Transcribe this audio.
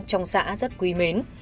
trong xã rất quý mến